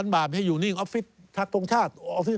๙๐๐๐บาทให้อยู่นิ่งออฟฟิศทัศน์ตรงชาติ